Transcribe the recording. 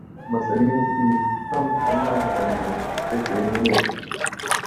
Məsləmo yo ɗi ham tənay aŋgam yo fetenene.